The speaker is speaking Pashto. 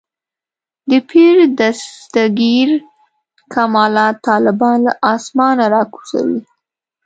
د پیر دستګیر کمالات طالبان له اسمانه راکوزوي.